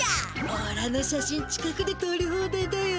おらの写真近くでとり放題だよ。